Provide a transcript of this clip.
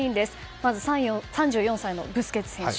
まず、３４歳のブスケツ選手。